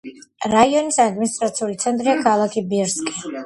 რაიონის ადმინისტრაციული ცენტრია ქალაქი ბირსკი.